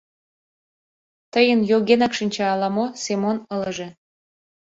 — Тыйын йогенак шинча ала-мо, — Семон ылыже.